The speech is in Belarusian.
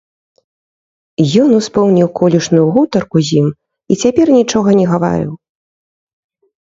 Ён успомніў колішнюю гутарку з ім і цяпер нічога не гаварыў.